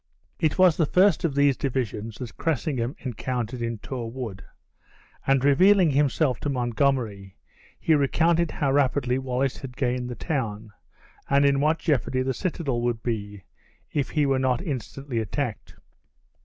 It was the first of these divisions that Cressingham encountered in Tor Wood; and revealing himself to Montgomery, he recounted how rapidly Wallace had gained the town, and in what jeopardy the citadel would be, if he were not instantly attacked.